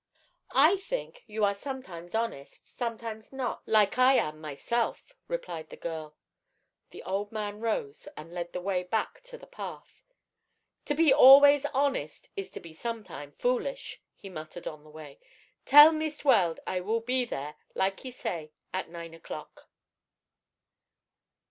"I think you are sometime honest, sometime not; like I am myself," replied the girl. The old man rose and led the way back to the path. "To be always honest is to be sometime foolish," he muttered on the way. "Tell Meest Weld I will be there, like he say, at nine o'clock."